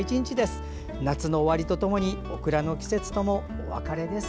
夏の終わりとともにオクラの季節ともお別れです。